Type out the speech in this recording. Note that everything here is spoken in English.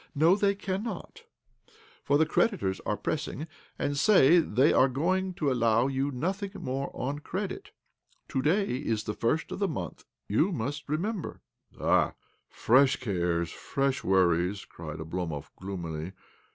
" No, they cannot, for the creditors are pressing, and say they are going to allow you nothing more on credit. To day is the first of the month, you must remember." " Ah ! Fresh cares, fresh worries I " cried Oblomov gloomily.